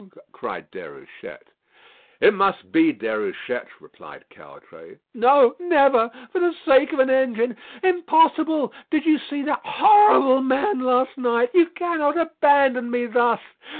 cried Déruchette. "It must be, Déruchette," replied Caudray. "No! never! For the sake of an engine impossible. Did you see that horrible man last night? You cannot abandon me thus.